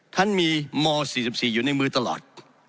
ท่านมีม๔๔อยู่ในมือตลอด